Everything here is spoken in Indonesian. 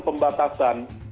pembantu sholat taraweh